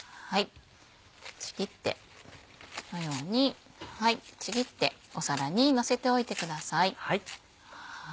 ちぎってこのようにちぎって皿にのせておいてください。